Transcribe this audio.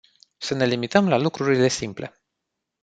Să ne limităm la lucrurile simple.